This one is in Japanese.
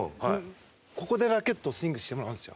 ここでラケットをスイングしてもらうんですよ。